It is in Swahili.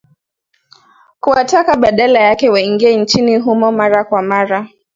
kuwataka badala yake waingie nchini humo mara kwa mara